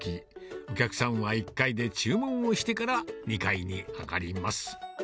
お客さんは１階で注文をしてから２階に上がります。